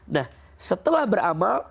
nah setelah beramal